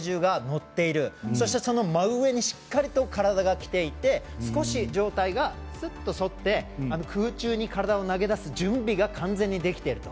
そして、真上にしっかりと体がきていて少し上体がすっと反って空中に体を投げ出す準備が完全にできていると。